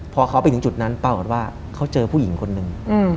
พอเขาไปถึงจุดนั้นปรากฏว่าเขาเจอผู้หญิงคนหนึ่ง